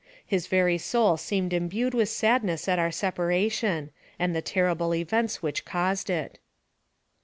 His very soul seemed imbued with sadness at our separation, and the terrible events which caused it.